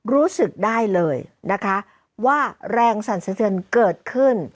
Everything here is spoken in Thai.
รู้สึกได้เลยนะคะว่าแรงสรรเสริญเกิดขึ้น